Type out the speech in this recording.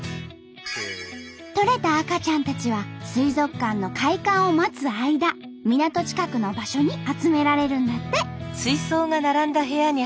とれた赤ちゃんたちは水族館の開館を待つ間港近くの場所に集められるんだって。